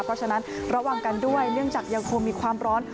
เพราะฉะนั้นระวังกันด้วยเนื่องจากยังคงมีความร้อน